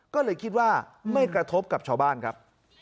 ก็เลยคิดว่าไม่กระทบกับชาวบ้านครับ